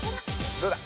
どうだ？